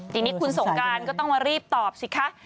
ทีนี้คุณสงการก็ต้องมารีบตอบสิคะ